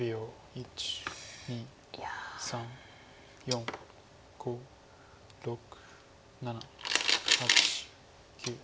１２３４５６７８９。